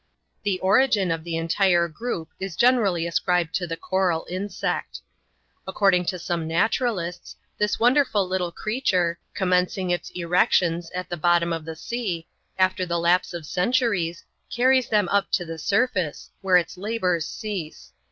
The origin of the entire group is generally ascribed to the coral insect. According to some naturalists, this wonderful little creature, commencing its erections at the bottom of the sea, aflter the lapse of centuries, carries them up to the surface, where its labours cease.